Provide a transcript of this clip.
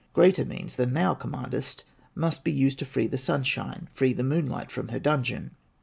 Greater means than thou commandest Must be used to free the sunshine, Free the moonlight from her dungeon."